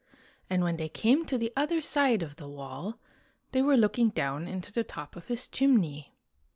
And when they came to the other side of the wall, they were looking down into the top of his chimney.